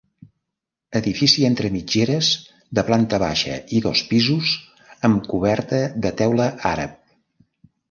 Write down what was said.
Edifici entre mitgeres de planta baixa i dos pisos amb coberta de teula àrab.